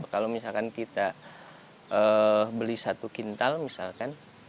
kalau misalkan kita beli satu kintal misalkan